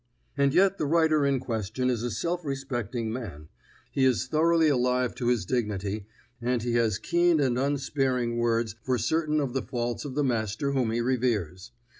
And yet the writer in question is a self respecting man, he is thoroughly alive to his dignity, and he has keen and unsparing words for certain of the faults of the master whom he reveres.